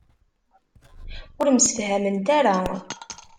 Ur msefhament ara.